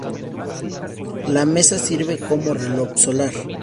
La mesa sirve como reloj solar.